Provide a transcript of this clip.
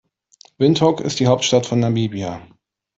Windhoek ist die Hauptstadt von Namibia.